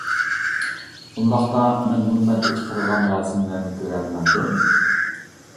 ئۇنداقتا مەن مۇنبەرگە چىقىرىلغان رەسىملەرنى كۆرەلمەمدىم.